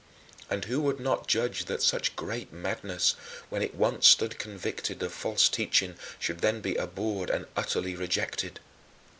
And who would not judge that such great madness, when it once stood convicted of false teaching, should then be abhorred and utterly rejected?